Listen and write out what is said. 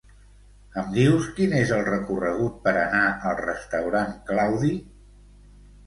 Em dius quin és el recorregut per anar al restaurant Claudi?